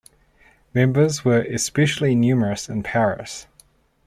Members were especially numerous in Paris.